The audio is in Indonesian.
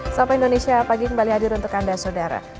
sampai indonesia pagi kembali hadir untuk anda saudara